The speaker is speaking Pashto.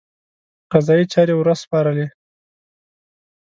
قضایي چارې ورسپارلې.